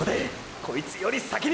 こいつより先に！！